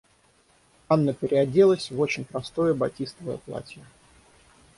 Анна переоделась в очень простое батистовое платье.